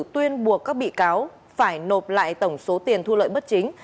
tuyên buộc các bị cáo phải nộp lại tổng số tiền thu lợi bất chính